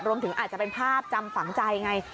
รวมถึงอาจจะเป็นภาพจำฝังใจไง